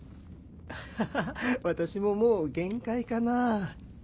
ハハ私ももう限界かな。